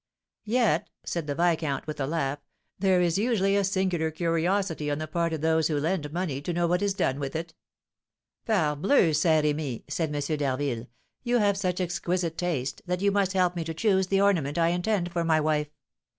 "Yet," said the viscount, with a laugh, "there is usually a singular curiosity on the part of those who lend money to know what is done with it." "Parbleu! Saint Remy," said M. d'Harville, "you have such exquisite taste, that you must help me to choose the ornament I intend for my wife.